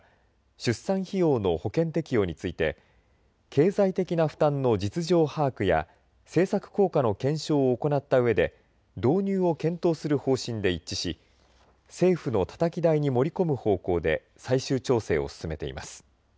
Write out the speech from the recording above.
出産費用の保険適用について経済的な負担の実情把握や政策効果の検証行ったうえで導入を検討する方針で一致し政府のたたき台に盛り込む方向で最終調整を進めています。